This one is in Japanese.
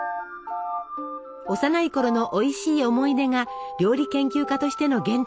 幼いころのおいしい思い出が料理研究家としての原点です。